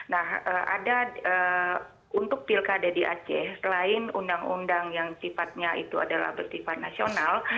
nah ada untuk pilkada di aceh selain undang undang yang sifatnya itu adalah bersifat nasional